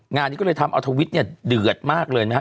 งานนี้ก็เลยทำเอาทวิตเนี่ยเดือดมากเลยนะครับ